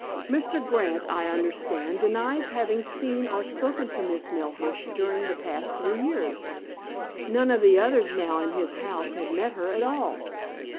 Mr. Grant, I understand, denies having seen or spoken to Miss Melhuish during the past three years. None of the others now in his house had met her at all.